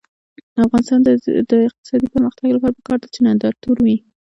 د افغانستان د اقتصادي پرمختګ لپاره پکار ده چې نندارتون وي.